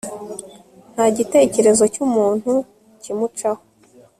nta gitekerezo cy'umuntu kimucaho